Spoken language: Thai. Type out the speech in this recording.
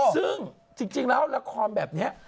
ซึ่งจริงแล้วละครแบบนี้